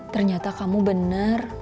ternyata kamu bener